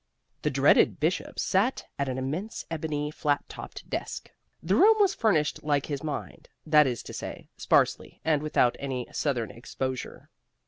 The dreaded Bishop sat at an immense ebony flat topped desk. The room was furnished like his mind, that is to say, sparsely, and without any southern exposure.